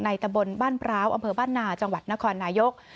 ตะบนบ้านพร้าวอำเภอบ้านนาจังหวัดนครนายก